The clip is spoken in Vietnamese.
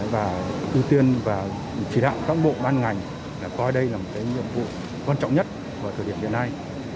và ưu tiên và chỉ đạo các bộ ban ngành coi đây là một nhiệm vụ quan trọng nhất vào thời điểm hiện nay